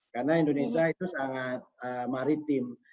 karena indonesia itu sangat maritim